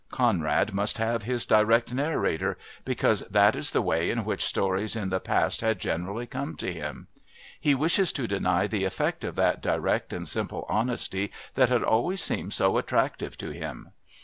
Conrad must have his direct narrator, because that is the way in which stories in the past had generally come to him. He wishes to deny the effect of that direct and simple honesty that had always seemed so attractive to him.